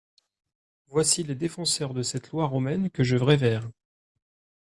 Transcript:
Voici les défenseurs de cette Loi romaine que je révère.